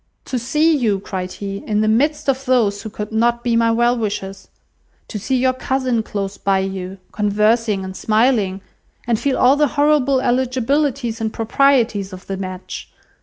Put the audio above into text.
"To see you," cried he, "in the midst of those who could not be my well wishers; to see your cousin close by you, conversing and smiling, and feel all the horrible eligibilities and proprieties of the match!